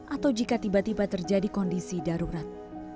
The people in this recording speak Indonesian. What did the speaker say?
atau jika tiba tiba terjadi kondisi darurat